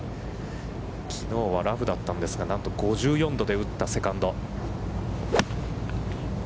きのうはラフだったんですが、何と５４度で打ったセカンド。